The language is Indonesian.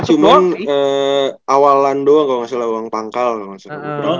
kasih cuman awalan doang kalau gak salah uang pangkal gak masuk doang